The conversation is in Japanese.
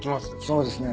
そうですね。